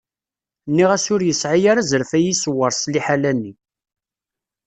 Nniɣ-as ur yesɛi ara azref ad iyi-iṣewwer s liḥala-nni.